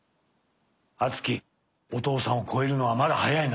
敦貴お父さんを超えるのはまだ早いな。